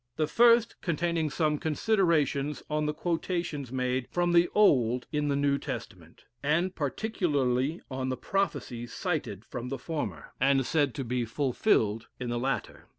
The first containing some considerations on the quotations made from the Old in the New Testament, and particularly on the prophecies cited from the former, and said to be fulfilled in the latter.